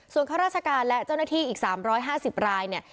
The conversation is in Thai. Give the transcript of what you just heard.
ส่วนข้าราชการและเจ้าหน้าที่อีก๓๕๐รายเนี่ย